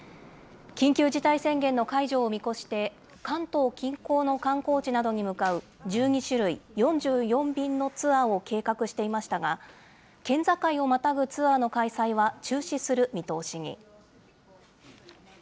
緊急事態宣言の解除を見越して、関東近郊の観光地などに向かう１２種類４４便のツアーを計画していましたが、県境をまたぐツアーの開催は中止する見通しに。